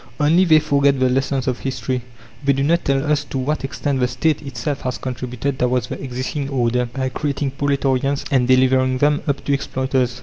Only they forget the lessons of history; they do not tell us to what extent the State itself has contributed towards the existing order by creating proletarians and delivering them up to exploiters.